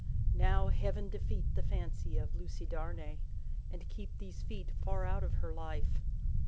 Now, Heaven defeat the fancy of Lucie Darnay, and keep these feet far out of her life!